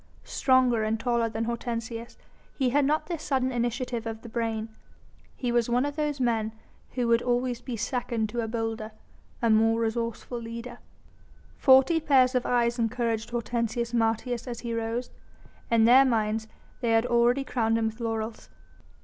Stronger and taller than Hortensius, he had not the sudden initiative of the brain. He was one of those men who would always be second to a bolder, a more resourceful leader. Forty pairs of eyes encouraged Hortensius Martius as he rose. In their minds they had already crowned him with laurels.